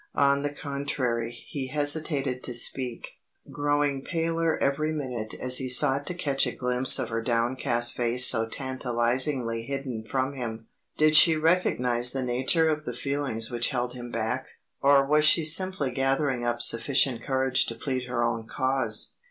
On the contrary, he hesitated to speak, growing paler every minute as he sought to catch a glimpse of her downcast face so tantalizingly hidden from him. Did she recognize the nature of the feelings which held him back, or was she simply gathering up sufficient courage to plead her own cause?